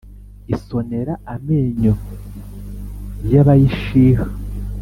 Isonera amenyo y'abayishiha